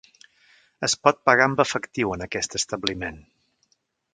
Es pot pagar amb efectiu en aquest establiment.